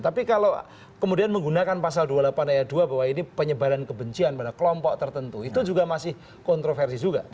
tapi kalau kemudian menggunakan pasal dua puluh delapan ayat dua bahwa ini penyebaran kebencian pada kelompok tertentu itu juga masih kontroversi juga